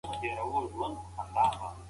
د شاعرانو په منځ کې د فکر توپیر څنګه پیدا کېږي؟